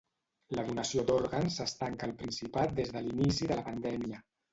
La donació d'òrgans s'estanca al Principat des de l'inici de la pandèmia.